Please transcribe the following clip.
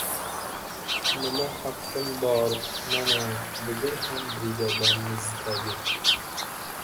Nima haqqim bor? Mana, bugun ham brigadamizdagi